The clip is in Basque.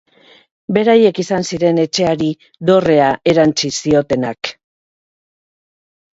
Beraiek izan ziren etxeari dorrea erantsi ziotenak.